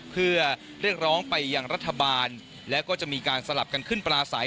เพื่อเรียกร้องไปยังรัฐบาลแล้วก็จะมีการสลับกันขึ้นปลาใส